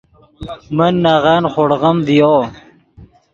من نغن خوڑغیم ڤیو